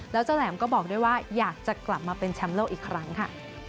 แล้วเจ้าแหลมก็บอกด้วยว่าอยากจะกลับมาเป็นแชมป์โลกอีกครั้งค่ะ